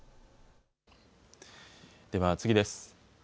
では次です。